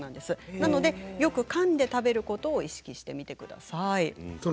なのでよくかんで食べることを意識してみてください。